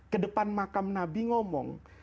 ke depan makam nabi ngomong